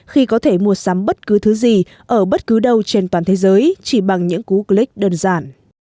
khi có thể mua sắm bất cứ thứ gì ở bất cứ đâu trên toàn thế giới chỉ bằng những cú click đơn giản